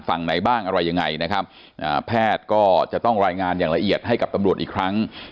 ฝั่งไหนบ้างอะไรยังไงนะครับอ่าแพทย์ก็จะต้องรายงานอย่างละเอียดให้กับตำรวจอีกครั้ง